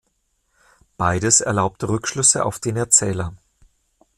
Beides erlaubt Rückschlüsse auf den Erzähler.